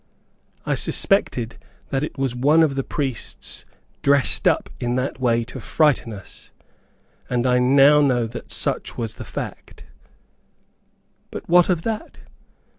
I suspected that it was one of the priests dressed up in that way to frighten us, and I now know that such was the fact. But what of that?